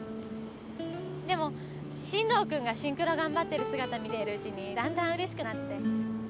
でも進藤君がシンクロ頑張ってる姿見ているうちにだんだんうれしくなって。